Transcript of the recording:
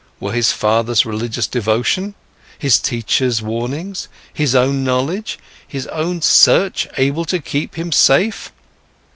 Were his father's religious devotion, his teacher's warnings, his own knowledge, his own search able to keep him safe?